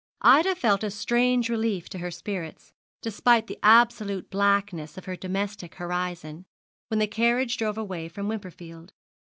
Ida felt a strange relief to her spirits, despite the absolute blackness of her domestic horizon, when the carriage drove away from Wimperfield.